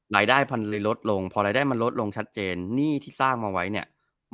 รายได้มันเลยลดลงพอรายได้มันลดลงชัดเจนหนี้ที่สร้างมาไว้เนี่ย